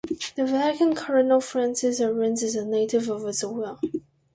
The Vatican Cardinal Francis Arinze is a native of Ezoiwelle.